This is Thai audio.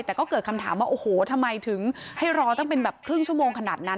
แต่ก็เกิดคำถามว่าโอ้โหทำไมถึงให้รอตั้งเป็นแบบครึ่งชั่วโมงขนาดนั้น